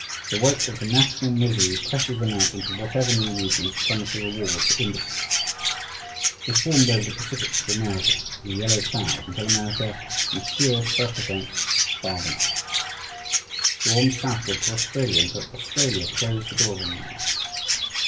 The weight of the national misery presses them out into whatever new regions promise a reward for industry. They swarmed over the Pacific to America in a yellow cloud until America, in sheer self defense, barred them out. They swarmed southward to Australia until Australia closed the doors on them.